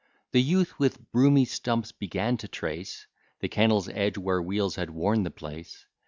The youth with broomy stumps began to trace The kennel's edge, where wheels had worn the place.